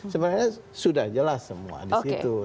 sebenarnya sudah jelas semua di situ